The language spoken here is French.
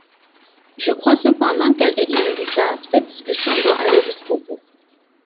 Je crois cependant qu’elle est inévitable : cette discussion doit aller jusqu’au bout.